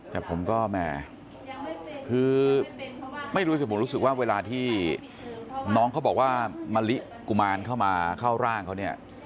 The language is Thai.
แต่ผมก็แหม่คือไม่รู้สึกผมรู้สึกว่าเวลาที่น้องเขาบอกว่ามะลิกุมารเข้ามาเข้าร่างเขาเนี่ย